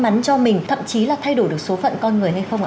mắn cho mình thậm chí là thay đổi được số phận con người hay không ạ